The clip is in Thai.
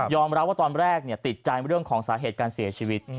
รับว่าตอนแรกติดใจเรื่องของสาเหตุการเสียชีวิต